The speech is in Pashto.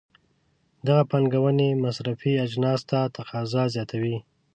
دغه پانګونې مصرفي اجناسو ته تقاضا زیاتوي.